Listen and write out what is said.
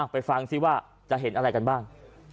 ไปฟังซิว่าจะเห็นอะไรกันบ้าง